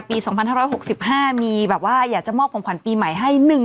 ปีสองพันห้าร้อยหกสิบห้ามีแบบว่าอยากจะมอบของขวัญปีใหม่ให้หนึ่ง